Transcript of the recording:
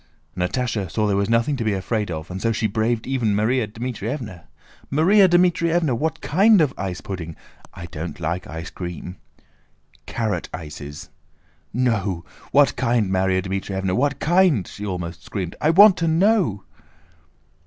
Natásha saw there was nothing to be afraid of and so she braved even Márya Dmítrievna. "Márya Dmítrievna! What kind of ice pudding? I don't like ice cream." "Carrot ices." "No! What kind, Márya Dmítrievna? What kind?" she almost screamed; "I want to know!"